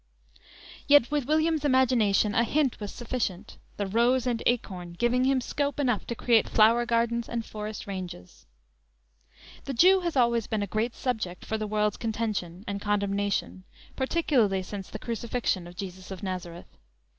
Yet, with William's imagination, a hint was sufficient, the rose and acorn giving him scope enough to create flower gardens and forest ranges. The Jew has always been a great subject for the world's contention and condemnation, particularly since the crucifixion of Jesus of Nazareth.